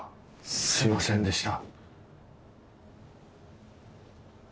すいませんでした。